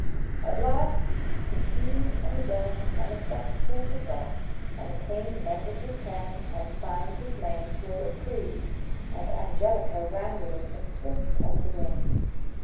At last the keys and the desk and the spectacles were got, and the King mended his pen, and signed his name to a reprieve, and Angelica ran with it as swift as the wind.